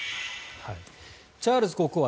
チャールズ国王。